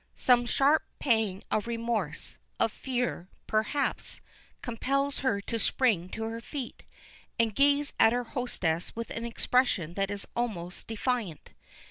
Some sharp pang of remorse, of fear, perhaps, compels her to spring to her feet, and gaze at her hostess with an expression that is almost defiant.